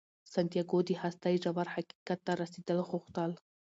سانتیاګو د هستۍ ژور حقیقت ته رسیدل غوښتل.